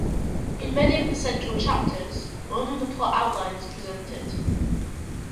In many of the central chapters, only the plot outline is presented.